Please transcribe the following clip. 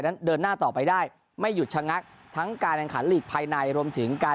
นั้นเดินหน้าต่อไปได้ไม่หยุดชะงักทั้งการแข่งขันลีกภายในรวมถึงการ